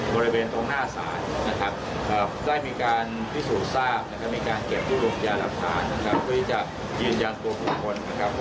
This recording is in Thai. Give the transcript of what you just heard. การตรวจสอนนะครับตั้งแต่ที่สื่อเห็นอยู่แล้วหลังจากที่เราได้ย้ายมาจากบริเวณตรงหน้าสาร